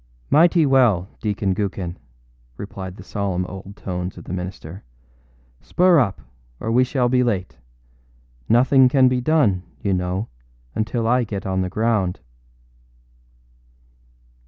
â âMighty well, Deacon Gookin!â replied the solemn old tones of the minister. âSpur up, or we shall be late. Nothing can be done, you know, until I get on the ground.